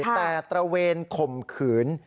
แต่ตระเวนข่มขืน